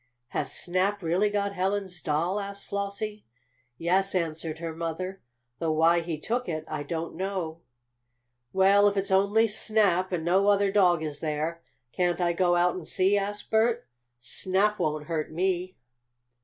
"Has Snap really got Helen's doll?" asked Flossie. "Yes," answered her mother. "Though why he took it I don't know." "Well, if it's only Snap, and no other dog is there, can't I go out and see?" asked Bert. "Snap won't hurt me."